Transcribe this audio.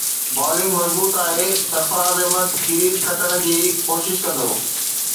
bowling مضبوط آهي Sarfaraz Ahmed series کٽڻ جي ڪوشش ڪندو